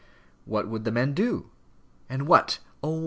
What would the men do? and what oh!